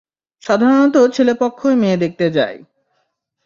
সাধারণত ছেলে পক্ষই মেয়ে দেখতে যায়।